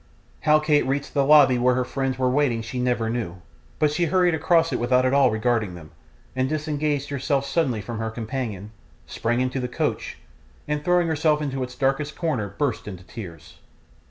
How Kate reached the lobby where her friends were waiting she never knew, but she hurried across it without at all regarding them, and disengaged herself suddenly from her companion, sprang into the coach, and throwing herself into its darkest corner burst into tears.